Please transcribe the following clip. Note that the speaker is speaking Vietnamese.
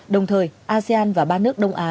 đồng thời asean và ba nước đông á